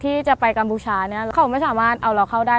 ที่จะไปกัมพูชาเนี่ยเขาไม่สามารถเอาเราเข้าได้